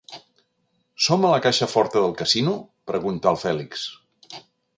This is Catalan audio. Som a la caixa forta del casino? —pregunta el Fèlix.